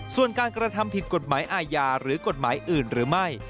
ส่วนการกระทำผิดกฎหมายอาญาหรือกฎหมายอื่นหรือไม่